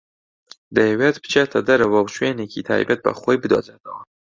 دەیەوێت بچێتە دەرەوە و شوێنێکی تایبەت بە خۆی بدۆزێتەوە.